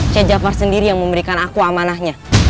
c jafar sendiri yang memberikan aku amanahnya